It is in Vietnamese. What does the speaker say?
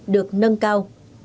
được nâng cao